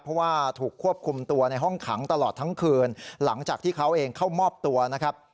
เพราะว่าถูกควบคุมตัวในห้องขังตลอดทั้งคืนหลังจากที่เขาเองเข้ามอบตัวนะครับ